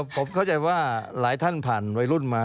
ผมเข้าใจว่าหลายท่านผ่านวัยรุ่นมา